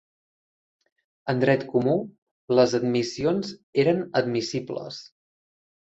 En dret comú, les admissions eren admissibles.